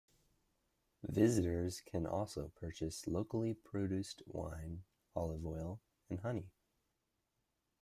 Visitors can also purchase locally produced wine, olive oil and honey.